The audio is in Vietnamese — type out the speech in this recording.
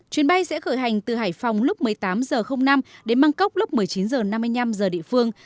chuyến bay sẽ khởi hành từ hải phòng lúc một mươi tám h năm đến bangkok lúc một mươi chín h năm mươi năm giờ địa phương